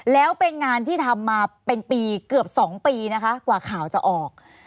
แล้วเป็นงานที่ทำมาเป็นปีเกือบ๒ปีนะคะกว่าข่าวจะออก